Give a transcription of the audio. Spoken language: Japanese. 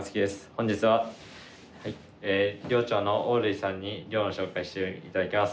本日は寮長の大類さんに寮を紹介していただきます。